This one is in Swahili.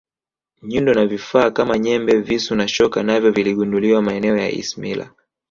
nyundo na vifaa Kama nyembe visu na shoka navyo viligunduliwa maeneo ya ismila